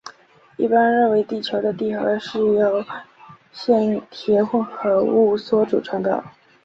一般认为地球的地核就是由镍铁混合物所组成的。